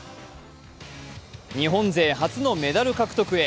日本勢初のメダル獲得へ。